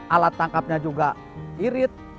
alat tangkapnya juga irit